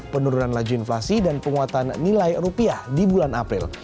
penurunan laju inflasi dan penguatan nilai rupiah di bulan april